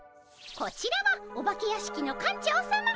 こちらはお化け屋敷の館長さま。